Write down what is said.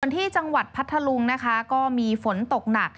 ที่จังหวัดพัทธลุงนะคะก็มีฝนตกหนัก